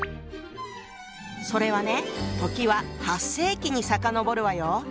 それはね時は８世紀に遡るわよ。